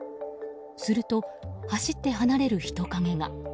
すると、走って離れる人影が。